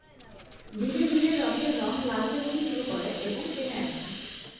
ধীরে ধীরে রসের রং লালচে হতে শুরু করে এবং টেনে আসে।